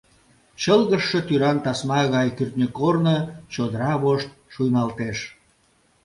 Чылгыжше тӱран тасма гай кӱртньыгорно чодыра вошт шуйналтеш.